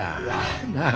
なあ。